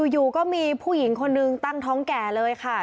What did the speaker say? อยู่ก็มีผู้หญิงคนนึงตั้งท้องแก่เลยค่ะ